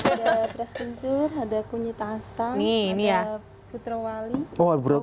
ada beras pencur ada kunyit asam ada putrawali